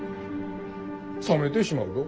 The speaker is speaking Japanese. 冷めてしまうど。